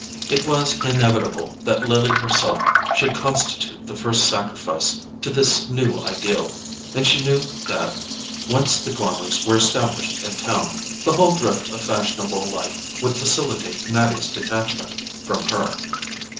It was inevitable that Lily herself should constitute the first sacrifice to this new ideal, and she knew that, once the Gormers were established in town, the whole drift of fashionable life would facilitate Mattie's detachment from her.